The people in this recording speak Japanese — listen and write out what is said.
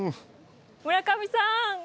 村上さん！